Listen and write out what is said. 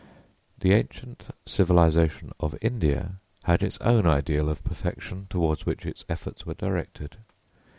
The ancient civilisation of India had its own ideal of perfection towards which its efforts were directed.